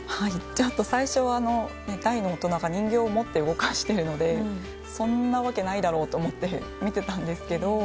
最初は大の大人が人形を持って動かしているのでそんな訳ないだろうと思って見ていたんですけど。